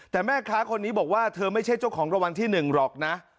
แต่แม่ค้าคนนี้บอกว่าเธอไม่ใช่เจ้าของรางวัลที่๑หรอกนะ